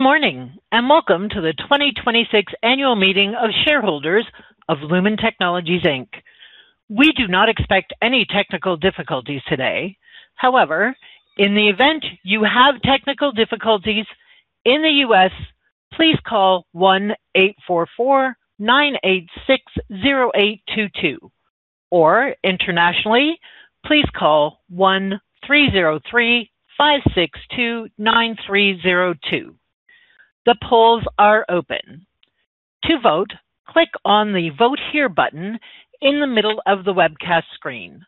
Morning, welcome to the 2026 Annual Meeting of Shareholders of Lumen Technologies, Inc. We do not expect any technical difficulties today. However, in the event you have technical difficulties, in the U.S., please call 1-844-986-0822, or internationally, please call 1-303-562-9302. The polls are open. To vote, click on the Vote Here button in the middle of the webcast screen.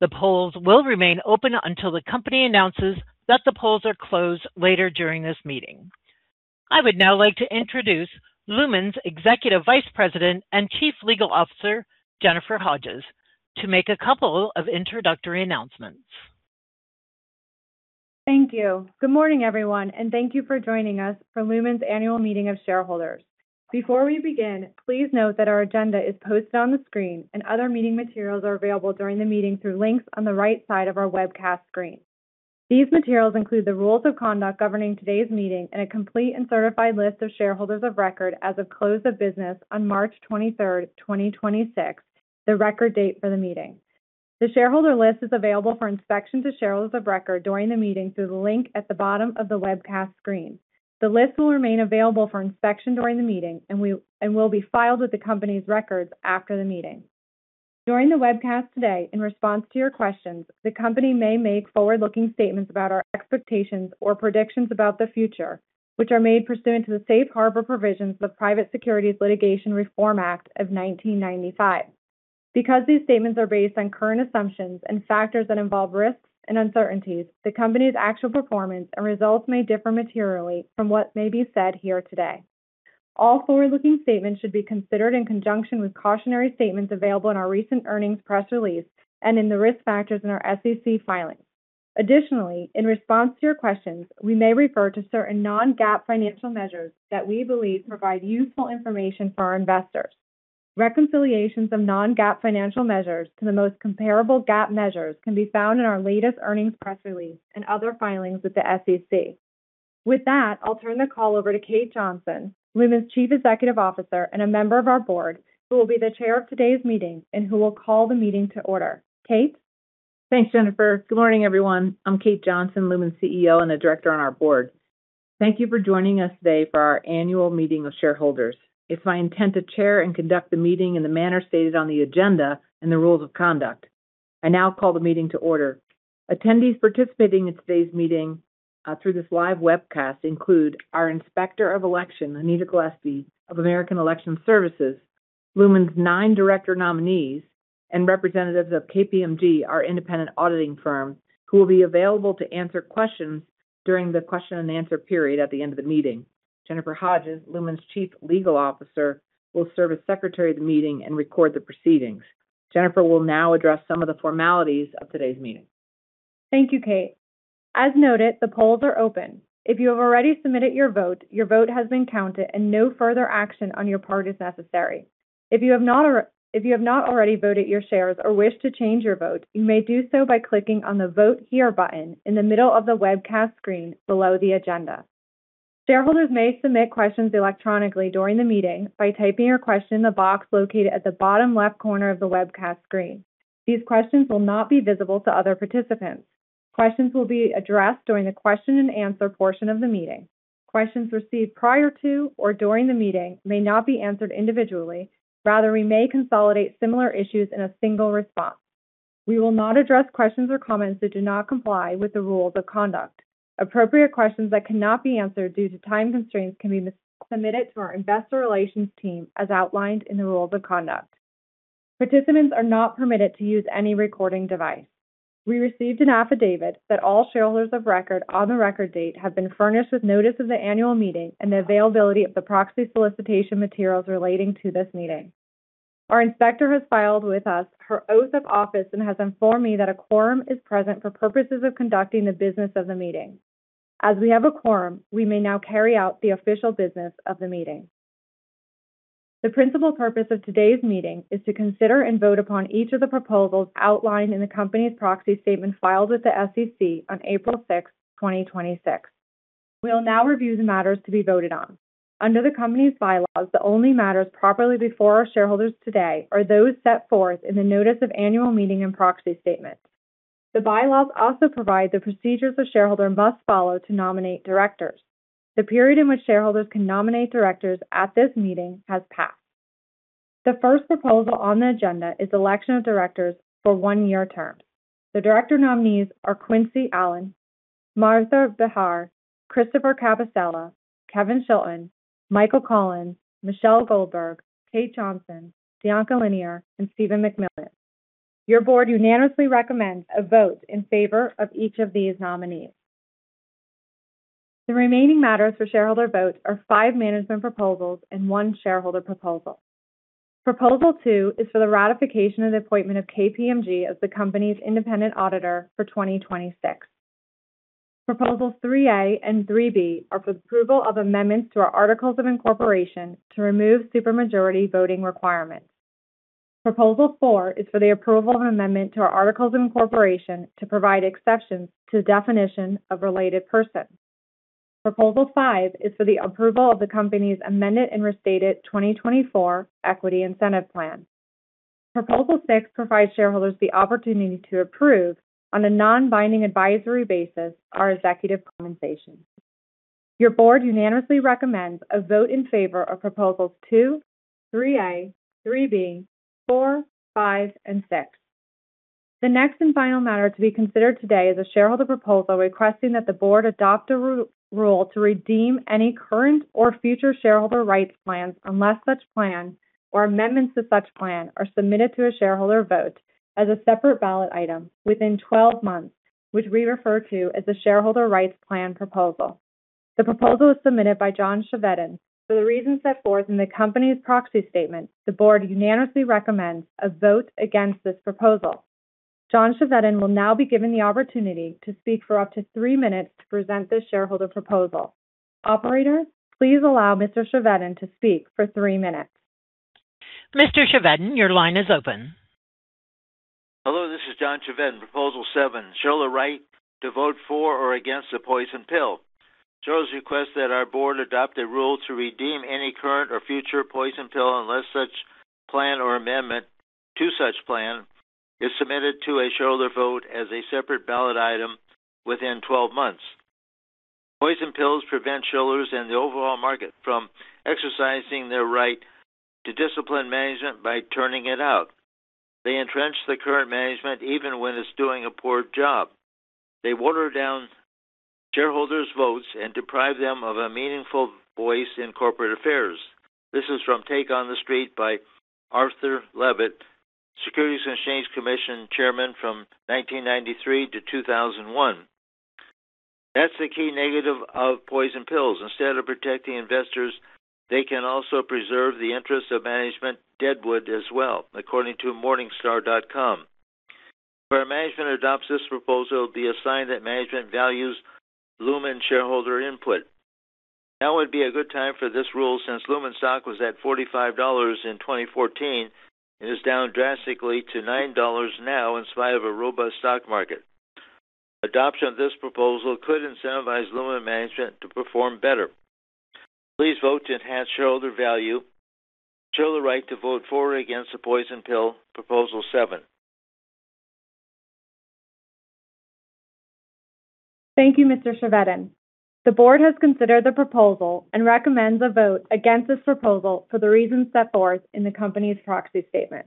The polls will remain open until the company announces that the polls are closed later during this meeting. I would now like to introduce Lumen's Executive Vice President and Chief Legal Officer, Jennifer Hodges, to make a couple of introductory announcements. Thank you. Good morning, everyone, and thank you for joining us for Lumen's Annual Meeting of Shareholders. Before we begin, please note that our agenda is posted on the screen, and other meeting materials are available during the meeting through links on the right side of our webcast screen. These materials include the rules of conduct governing today's meeting and a complete and certified list of shareholders of record as of close of business on March 23rd, 2026, the record date for the meeting. The shareholder list is available for inspection to shareholders of record during the meeting through the link at the bottom of the webcast screen. The list will remain available for inspection during the meeting and will be filed with the company's records after the meeting. During the webcast today, in response to your questions, the company may make forward-looking statements about our expectations or predictions about the future, which are made pursuant to the safe harbor provisions of the Private Securities Litigation Reform Act of 1995. Because these statements are based on current assumptions and factors that involve risks and uncertainties, the company's actual performance or results may differ materially from what may be said here today. All forward-looking statements should be considered in conjunction with cautionary statements available in our recent earnings press release and in the risk factors in our SEC filings. Additionally, in response to your questions, we may refer to certain non-GAAP financial measures that we believe provide useful information for our investors. Reconciliations of non-GAAP financial measures to the most comparable GAAP measures can be found in our latest earnings press release and other filings with the SEC. With that, I'll turn the call over to Kate Johnson, Lumen's Chief Executive Officer and a member of our Board, who will be the Chair of today's meeting and who will call the meeting to order. Kate? Thanks, Jennifer. Good morning, everyone. I'm Kate Johnson, Lumen's CEO and a director on our board. Thank you for joining us today for our annual meeting of shareholders. It's my intent to chair and conduct the meeting in the manner stated on the agenda and the rules of conduct. I now call the meeting to order. Attendees participating in today's meeting through this live webcast include our Inspector of Election, Anita Gillespie of American Election Services, Lumen's nine director nominees, and representatives of KPMG, our independent auditing firm, who will be available to answer questions during the question and answer period at the end of the meeting. Jennifer Hodges, Lumen's Chief Legal Officer, will serve as Secretary of the meeting and record the proceedings. Jennifer will now address some of the formalities of today's meeting. Thank you, Kate. As noted, the polls are open. If you have already submitted your vote, your vote has been counted, and no further action on your part is necessary. If you have not already voted your shares or wish to change your vote, you may do so by clicking on the Vote Here button in the middle of the webcast screen below the agenda. Shareholders may submit questions electronically during the meeting by typing your question in the box located at the bottom left corner of the webcast screen. These questions will not be visible to other participants. Questions will be addressed during the question and answer portion of the meeting. Questions received prior to or during the meeting may not be answered individually. Rather, we may consolidate similar issues in a single response. We will not address questions or comments that do not comply with the rules of conduct. Appropriate questions that cannot be answered due to time constraints can be submitted to our investor relations team as outlined in the rules of conduct. Participants are not permitted to use any recording device. We received an affidavit that all shareholders of record on the record date have been furnished with notice of the annual meeting and the availability of the proxy solicitation materials relating to this meeting. Our inspector has filed with us her oath of office and has informed me that a quorum is present for purposes of conducting the business of the meeting. As we have a quorum, we may now carry out the official business of the meeting. The principal purpose of today's meeting is to consider and vote upon each of the proposals outlined in the company's proxy statement filed with the SEC on April 6th, 2026. We will now review the matters to be voted on. Under the company's bylaws, the only matters properly before our shareholders today are those set forth in the Notice of Annual Meeting and Proxy Statement. The bylaws also provide the procedures a shareholder must follow to nominate directors. The period in which shareholders can nominate directors at this meeting has passed. The first proposal on the agenda is election of directors for one-year terms. The director nominees are Quincy Allen, Martha Helena Béjar, Christopher Capossela, Kevin P. Chilton, Michael Collins, Michelle J. Goldberg, Kate Johnson, Diankha Linear, and Steve McMillan. Your board unanimously recommends a vote in favor of each of these nominees. The remaining matters for shareholder vote are 5 management proposals and 1 shareholder proposal. Proposal 2 is for the ratification of the appointment of KPMG as the company's independent auditor for 2026. Proposals 3A and 3B are for the approval of amendments to our articles of incorporation to remove supermajority voting requirements. Proposal 4 is for the approval of an amendment to our articles of incorporation to provide exceptions to the definition of related person. Proposal 5 is for the approval of the company's amended and restated 2024 Equity Incentive Plan. Proposal 6 provides shareholders the opportunity to approve, on a non-binding advisory basis, our executive compensation. Your board unanimously recommends a vote in favor of proposals 2, 3A, 3B, 4, 5, and 6. The next and final matter to be considered today is a shareholder proposal requesting that the Board adopt a rule to redeem any current or future shareholder rights plans, unless such plan or amendments to such plan are submitted to a shareholder vote as a separate ballot item within 12 months, which we refer to as the shareholder rights plan proposal. The proposal was submitted by John Chevedden. For the reasons set forth in the company's proxy statement, the Board unanimously recommends a vote against this proposal. John Chevedden will now be given the opportunity to speak for up to 3 min to present this shareholder proposal. Operator, please allow Mr. Chevedden to speak for 3 min. Mr. Chevedden, your line is open. Hello, this is John Chevedden. Proposal 7, shareholder right to vote for or against the poison pill. Shareholders request that our board adopt a rule to redeem any current or future poison pill, unless such plan or amendment to such plan is submitted to a shareholder vote as a separate ballot item within 12 months. Poison pills prevent shareholders and the overall market from exercising their right to discipline management by turning it out. They entrench the current management even when it's doing a poor job. They water down shareholders' votes and deprive them of a meaningful voice in corporate affairs. This is from "Take on the Street" by Arthur Levitt, Securities and Exchange Commission chairman from 1993 to 2001. That's the key negative of poison pills. Instead of protecting investors, they can also preserve the interest of management deadwood as well, according to morningstar.com. Where management adopts this proposal, it will be a sign that management values Lumen shareholder input. Now would be a good time for this rule, since Lumen stock was at $45 in 2014 and is down drastically to $9 now in spite of a robust stock market. Adoption of this proposal could incentivize Lumen management to perform better. Please vote to enhance shareholder value. Shareholder right to vote for or against the poison pill, proposal 7. Thank you, Mr. Chevedden. The board has considered the proposal and recommends a vote against this proposal for the reasons set forth in the company's proxy statement.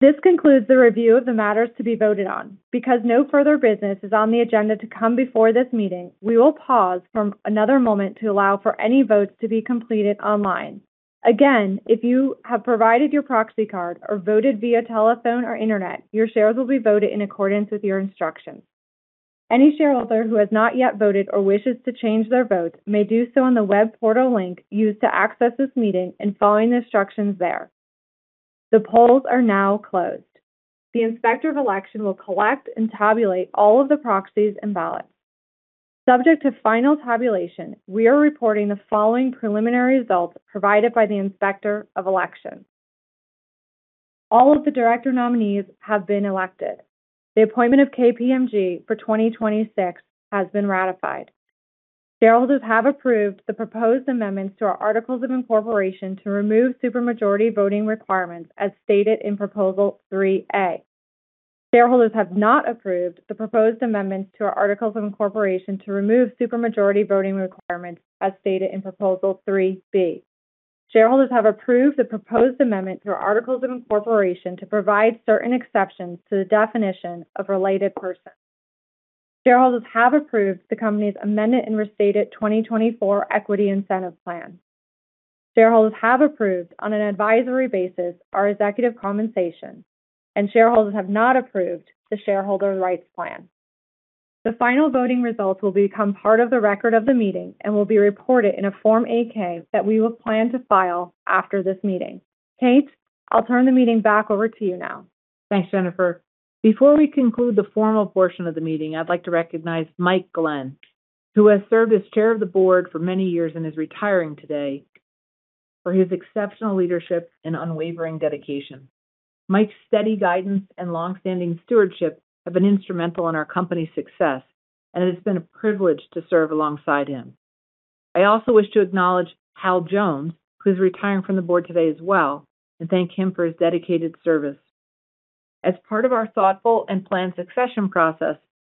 This concludes the review of the matters to be voted on. Because no further business is on the agenda to come before this meeting, we will pause for another moment to allow for any votes to be completed online. Again, if you have provided your proxy card or voted via telephone or internet, your shares will be voted in accordance with your instructions. Any shareholder who has not yet voted or wishes to change their vote may do so on the web portal link used to access this meeting and following the instructions there. The polls are now closed. The Inspector of Election will collect and tabulate all of the proxies and ballots. Subject to final tabulation, we are reporting the following preliminary results provided by the Inspector of Election. All of the director nominees have been elected. The appointment of KPMG for 2026 has been ratified. Shareholders have approved the proposed amendments to our articles of incorporation to remove supermajority voting requirements as stated in proposal 3A. Shareholders have not approved the proposed amendments to our articles of incorporation to remove supermajority voting requirements as stated in proposal 3B. Shareholders have approved the proposed amendment to our articles of incorporation to provide certain exceptions to the definition of related person. Shareholders have approved the company's amended and restated 2024 Equity Incentive Plan. Shareholders have approved, on an advisory basis, our executive compensation, and shareholders have not approved the shareholder rights plan. The final voting results will become part of the record of the meeting and will be reported in a Form 8-K that we will plan to file after this meeting. Kate, I'll turn the meeting back over to you now. Thanks, Jennifer. Before we conclude the formal portion of the meeting, I'd like to recognize Mike Glenn, who has served as Chair of the Board for many years and is retiring today, for his exceptional leadership and unwavering dedication. Mike's steady guidance and longstanding stewardship have been instrumental in our company's success, and it has been a privilege to serve alongside him. I also wish to acknowledge Hal Jones, who's retiring from the Board today as well, and thank him for his dedicated service. As part of our thoughtful and planned succession process,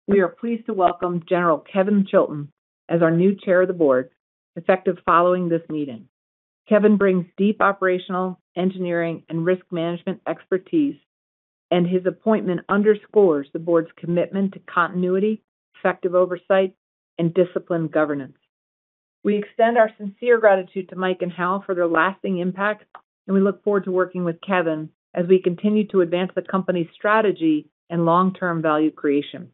we are pleased to welcome General Kevin Chilton as our new Chair of the Board, effective following this meeting. Kevin brings deep operational, engineering, and risk management expertise, and his appointment underscores the Board's commitment to continuity, effective oversight, and disciplined governance. We extend our sincere gratitude to Mike Glenn and Hal Jones for their lasting impact, and we look forward to working with Kevin Chilton as we continue to advance the company's strategy and long-term value creation.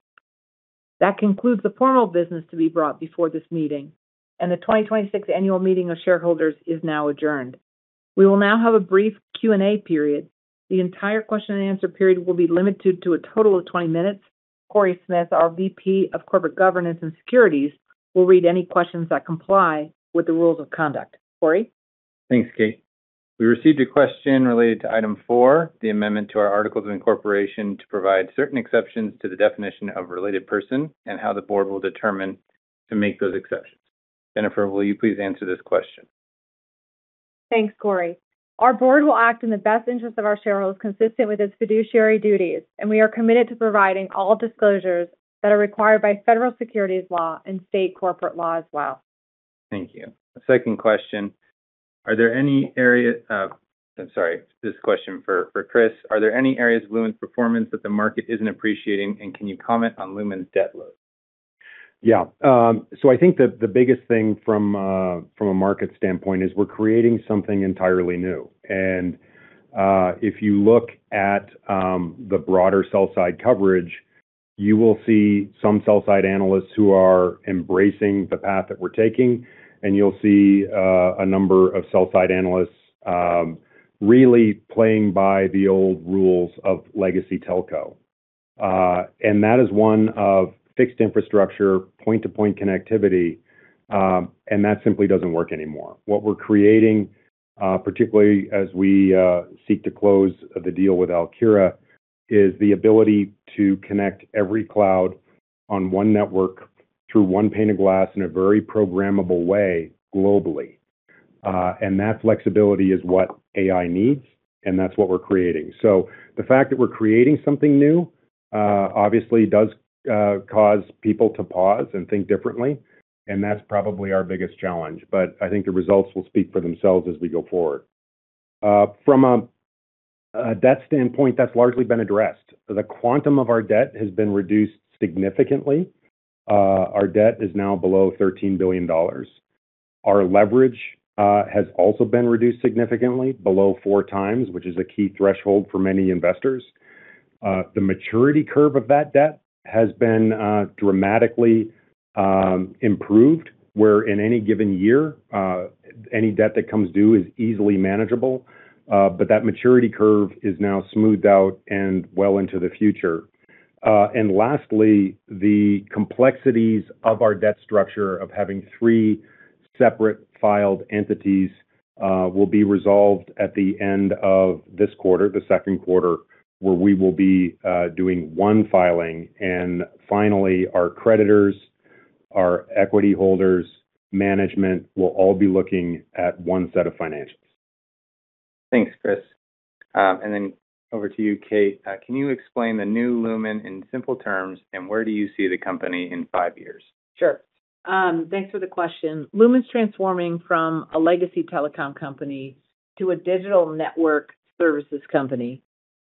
That concludes the formal business to be brought before this meeting, and the 2026 annual meeting of shareholders is now adjourned. We will now have a brief Q&A period. The entire question and answer period will be limited to a total of 20 min. Cory Smith, our VP of Corporate Governance and Securities, will read any questions that comply with the rules of conduct. Cory? Thanks, Kate. We received a question related to item 4, the amendment to our articles of incorporation to provide certain exceptions to the definition of related person and how the Board will determine to make those exceptions. Jennifer, will you please answer this question? Thanks, Cory. Our board will act in the best interest of our shareholders consistent with its fiduciary duties, and we are committed to providing all disclosures that are required by federal securities law and state corporate law as well. Thank you. A second question. I'm sorry, this is a question for Chris. Are there any areas of Lumen's performance that the market isn't appreciating, and can you comment on Lumen's debt load? Yeah. I think that the biggest thing from a market standpoint is we're creating something entirely new. If you look at the broader sell side coverage, you will see some sell side analysts who are embracing the path that we're taking, and you'll see a number of sell side analysts really playing by the old rules of legacy telco. That is one of fixed infrastructure, point-to-point connectivity, and that simply doesn't work anymore. What we're creating, particularly as we seek to close the deal with Alkira, is the ability to connect every cloud on one network through one pane of glass in a very programmable way globally. That flexibility is what AI needs, and that's what we're creating. The fact that we're creating something new obviously does cause people to pause and think differently, and that's probably our biggest challenge. I think the results will speak for themselves as we go forward. From a debt standpoint, that's largely been addressed. The quantum of our debt has been reduced significantly. Our debt is now below $13 billion. Our leverage has also been reduced significantly below 4x, which is a key threshold for many investors. The maturity curve of that debt has been dramatically improved, where in any given year any debt that comes due is easily manageable. That maturity curve is now smoothed out and well into the future. Lastly, the complexities of our debt structure of having three separate filed entities will be resolved at the end of this quarter, the second quarter, where we will be doing one filing. Finally, our creditors, our equity holders, management will all be looking at 1 set of financials. Thanks, Chris. Over to you, Kate. Can you explain the new Lumen in simple terms, and where do you see the company in five years? Sure. Thanks for the question. Lumen's transforming from a legacy telecom company to a digital network services company.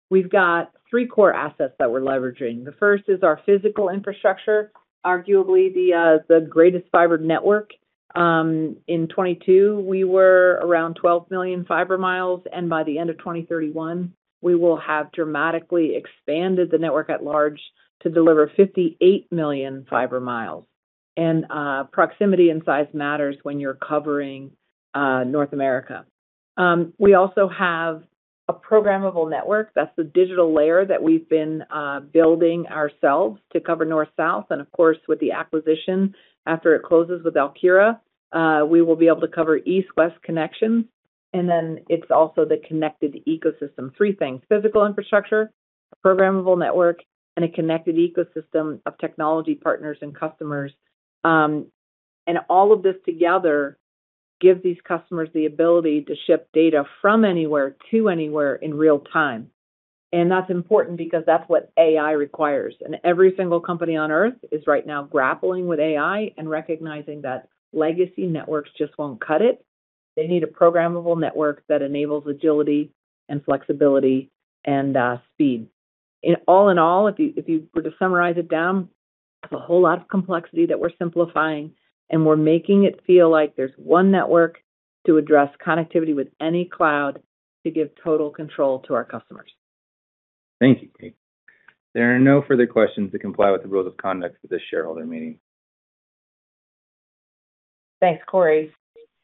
We've got three core assets that we're leveraging. The first is our physical infrastructure, arguably the greatest fiber network. In 2022, we were around 12 million fiber miles, and by the end of 2031, we will have dramatically expanded the network at large to deliver 58 million fiber miles. Proximity and size matters when you're covering North America. We also have a programmable network. That's the digital layer that we've been building ourselves to cover north-south, and of course, with the acquisition, after it closes with Alkira, we will be able to cover east-west connections. It's also the connected ecosystem. Three things, physical infrastructure, a programmable network, and a connected ecosystem of technology partners and customers. All of this together gives these customers the ability to ship data from anywhere to anywhere in real time. That's important because that's what AI requires. Every single company on Earth is right now grappling with AI and recognizing that legacy networks just won't cut it. They need a programmable network that enables agility and flexibility and speed. All in all, if you were to summarize it down, it's a whole lot of complexity that we're simplifying, and we're making it feel like there's one network to address connectivity with any cloud to give total control to our customers. Thank you, Kate. There are no further questions that comply with the rules of conduct for this shareholder meeting. Thanks, Cory.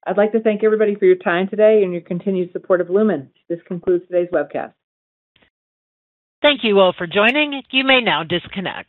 I'd like to thank everybody for your time today and your continued support of Lumen. This concludes today's webcast. Thank you all for joining. You may now disconnect.